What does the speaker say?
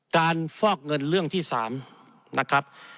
ฟอกเงินเรื่องที่๓นะครับ